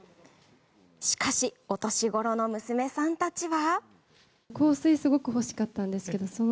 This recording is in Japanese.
しかしお年ごろの娘さんたちは。